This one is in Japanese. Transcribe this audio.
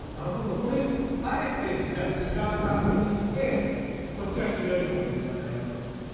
これあえてじゃあ違う漢字にしてこっちが広い方の邇摩だよと。